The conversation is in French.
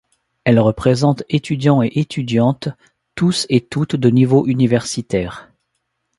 Elles représentent étudiants et étudiantes, tous et toutes de niveau universitaire.